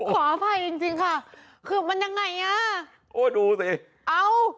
ขออภัยจริงจริงค่ะคือมันยังไงอ่ะโอ้ดูสิเอ้า